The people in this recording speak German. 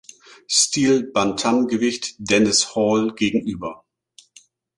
Stil Bantamgewicht Dennis Hall gegenüber.